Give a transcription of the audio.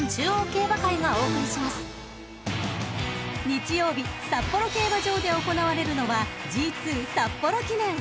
［日曜日札幌競馬場で行われるのはＧⅡ札幌記念］